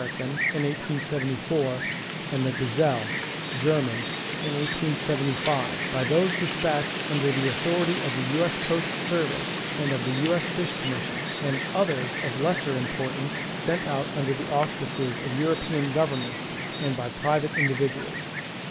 in 1874, and the Gazelle (Ger.) in 1875, by those despatched under the authority of the U. S. Coast Survey and of the U. S. Fish Commission, and others of lesser importance, sent out under the auspices of European governments, and by private individuals.